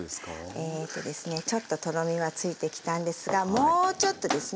えとですねちょっととろみはついてきたんですがもうちょっとですね。